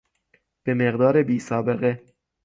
به مقدار بی سابقه